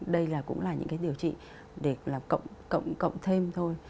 đây là cũng là những cái điều trị để là cộng cộng thêm thôi